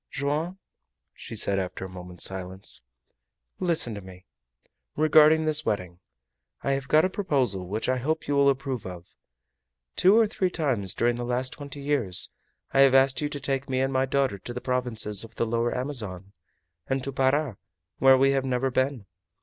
"Joam," said she, after a moment's silence, "listen to me. Regarding this wedding, I have got a proposal which I hope you will approve of. Two or three times during the last twenty years I have asked you to take me and my daughter to the provinces of the Lower Amazon, and to Para, where we have never been.